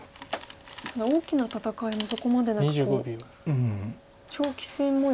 ただ大きな戦いもそこまでなく長期戦もようですか？